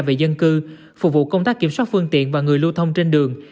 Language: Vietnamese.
về dân cư phục vụ công tác kiểm soát phương tiện và người lưu thông trên đường